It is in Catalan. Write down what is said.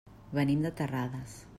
Venim de Terrades.